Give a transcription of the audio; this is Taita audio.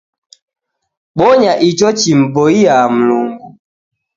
Bonya icho chim'boia Mlungu